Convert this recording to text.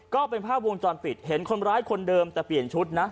ก็เป็นภาพวงจรปิดเห็นคนร้ายคนเดิมแต่เปลี่ยนชุดนะ